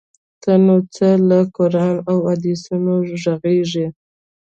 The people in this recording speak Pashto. ته نو څه له قران او احادیثو ږغیږې؟!